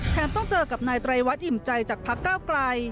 ต้องเจอกับนายไตรวัดอิ่มใจจากพักเก้าไกล